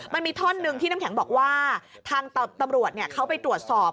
มันมีท่อนหนึ่งที่น้ำแข็งบอกว่าทางตำรวจเขาไปตรวจสอบ